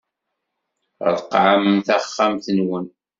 Ṛeqqɛem taxxamt-nwen.